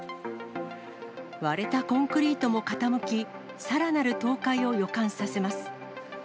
割れたコンクリートも傾き、さらなる倒壊を予感させます。